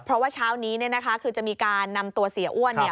เพราะว่าเช้านี้เนี่ยนะคะคือจะมีการนำตัวเสียอ้วนเนี่ย